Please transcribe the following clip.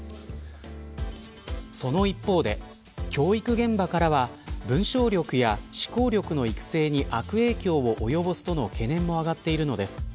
その一方で教育現場からは文章力や思考力の育成に悪影響を及ぼすとの懸念も上がっているのです。